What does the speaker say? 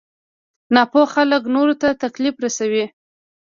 ناپوه خلک نورو ته تکليف رسوي.